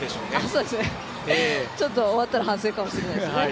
そうですね、終わったら反省かもしれないですね。